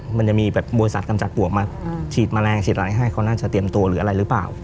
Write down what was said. มันจะมีแบบบริษัทกำจัดปวกมาฉีดแมลงฉีดอะไรให้เขาน่าจะเตรียมตัวหรืออะไรหรือเปล่า